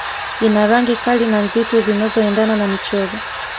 Ina rangi kali na nzitu zinazoendana na michoro